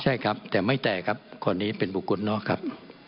ใช่ครับแต่ไม่แตกครับคนนี้เป็นบุคคลนอกครับ